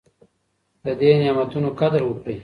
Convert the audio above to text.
د دې نعمتونو قدر وکړئ.